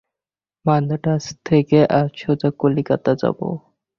মান্দ্রাজ থেকে আমি সোজা কলিকাতা যাব।